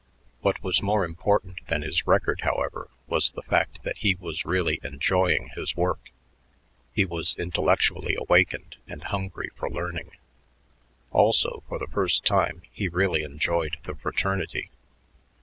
What was more important than his record, however, was the fact that he was really enjoying his work; he was intellectually awakened and hungry for learning. Also, for the first time he really enjoyed the fraternity.